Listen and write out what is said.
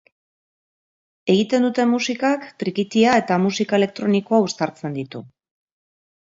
Egiten duten musikak trikitia eta musika elektronikoa uztartzen ditu.